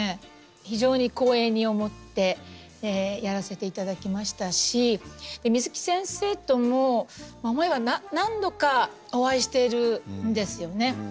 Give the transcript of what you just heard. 非常に光栄に思ってやらせて頂きましたし水木先生とも思えば何度かお会いしているんですよね。